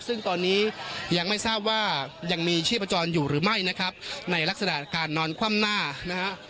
ซึ่งตอนนี้ยังไม่ทราบว่ายังมีชีพจรอยู่หรือไม่นะครับในลักษณะการนอนคว่ำหน้านะฮะ